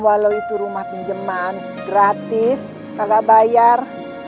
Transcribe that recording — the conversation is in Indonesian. walau itu rumah pinjaman gratis kagak bayar